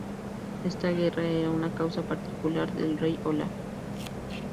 Esta guerra era una causa particular del rey Olaf.